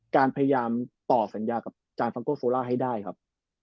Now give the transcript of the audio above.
การพยายามต่อสัญญากับจานฟังโกโซล่าให้ได้ครับ